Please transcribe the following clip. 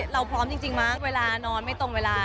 เราพร้อมจริงมากเวลานอนไม่ตรงเวลา